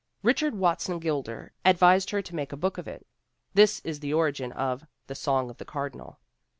Richard Watson Gilder advised her to make a book of it. This is the origin of The Song of the Cardinal.